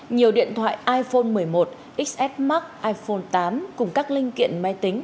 nhiều điện thoại iphone một mươi một xs max iphone tám cùng các linh kiện máy tính